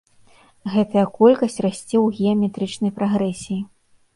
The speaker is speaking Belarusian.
Гэтая колькасць расце ў геаметрычнай прагрэсіі.